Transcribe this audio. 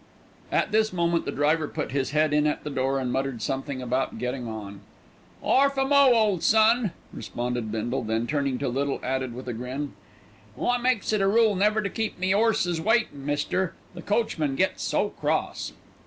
At this moment the driver put his head in at the door and muttered something about getting on. "'Arf a mo', ole son," responded Bindle; then turning to Little added with a grin, "I makes it a rule never to keep me 'orses waitin', mister; the coachman gets so cross."